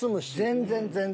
全然全然。